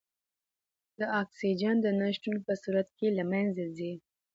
د اکسیجن د نه شتون په صورت کې له منځه ځي.